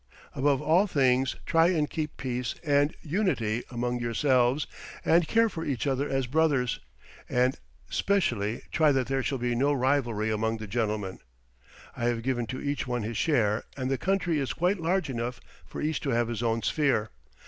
Above all things, try and keep peace and unity among yourselves, and care for each other as brothers, and specially try that there shall be no rivalry among the gentlemen; I have given to each one his share and the country is quite large enough for each to have his own sphere.